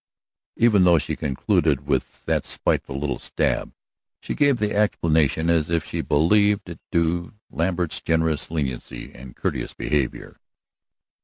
Even though she concluded with that spiteful little stab, she gave the explanation as if she believed it due Lambert's generous leniency and courteous behavior.